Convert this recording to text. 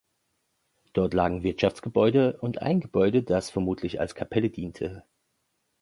Dort lagen Wirtschaftsgebäude und ein Gebäude, das vermutlich als Kapelle diente.